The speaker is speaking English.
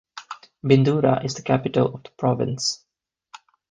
Bindura is the capital of the province.